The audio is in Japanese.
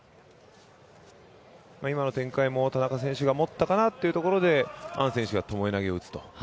今の展開も田中選手がもったかなというところでアン選手がともえ投げを打つと。